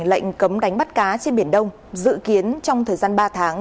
lệnh cấm đánh bắt cá trên biển đông dự kiến trong thời gian ba tháng